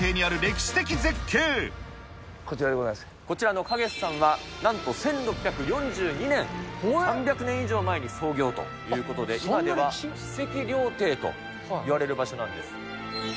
こちらの花月さんは、なんと１６４２年、３００年以上前に創業ということで、今では史跡料亭といわれる場所なんです。